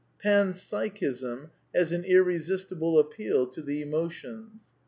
Pan Psychism has an irresistible appeal to the emotions.